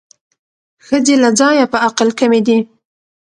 ښځې له ځایه په عقل کمې دي